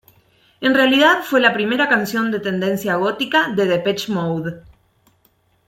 En realidad fue la primera canción de tendencia gótica de Depeche Mode.